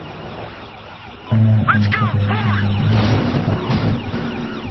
انا انتظره منذ هذا الصباح الباكر.